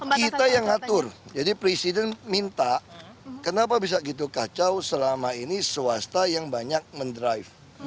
kita yang ngatur jadi presiden minta kenapa bisa gitu kacau selama ini swasta yang banyak mendrive